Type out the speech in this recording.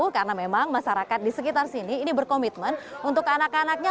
karena memang masyarakat di sekitar sini ini berkomitmen untuk anak anaknya